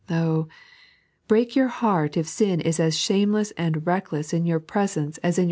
Oh, break your heart if sin is as shameless and reckless in your presence as in 3.n.